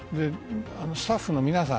スタッフの皆さん